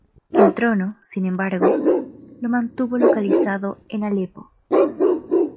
El trono, sin embargo, lo mantuvo localizado en Alepo.